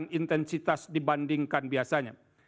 dengan intensitas dibandingkan biasanya